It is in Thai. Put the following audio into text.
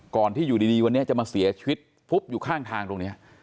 ที่อยู่ดีวันนี้จะมาเสียชีวิตฟุบอยู่ข้างทางตรงนี้